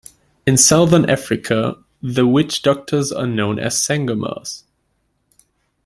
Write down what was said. In southern Africa, the witch doctors are known as "sangomas".